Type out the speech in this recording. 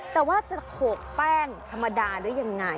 แต่ว่าจะโขกแป้งธรรมดาได้ยังไง